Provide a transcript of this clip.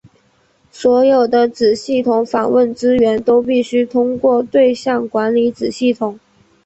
所有子系统访问资源都必须通过对象管理子系统。